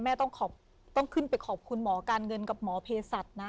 แม่ต้องขึ้นไปขอบคุณหมอการเงินกับหมอเพศัตริย์นะ